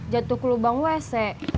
jatuh ke lubang wc